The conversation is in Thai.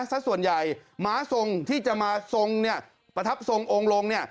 สักส่วนใหญ่หมาทรงที่จะมาทรงเนี่ยประทับทรงองค์ลงเนี่ย